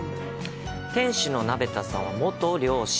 店主の鍋田さんは元漁師。